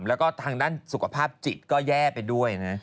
แล้วก็ทางด้านสุขภาพจิตก็แย่ไปด้วยนะ